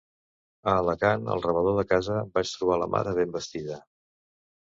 A Alacant, al rebedor de casa, vaig trobar la mare ben vestida.